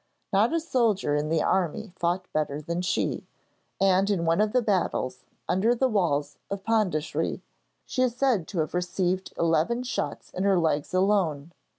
Not a soldier in the army fought better than she, and in one of the battles under the walls of Pondicherry, she is said to have received eleven shots in her legs alone!